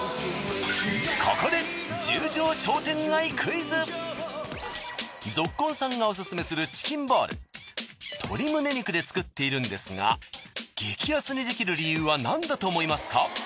ここでぞっこんさんがオススメするチキンボール鶏ムネ肉で作っているんですが激安にできる理由はなんだと思いますか？